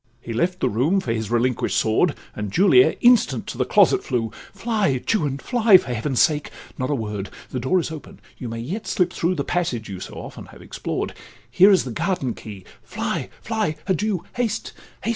He left the room for his relinquish'd sword, And Julia instant to the closet flew. 'Fly, Juan, fly! for heaven's sake—not a word— The door is open—you may yet slip through The passage you so often have explored— Here is the garden key—Fly—fly—Adieu! Haste—haste!